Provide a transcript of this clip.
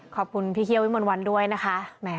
ขอบคุณพี่เคี่ยววิมนต์วันด้วยนะคะ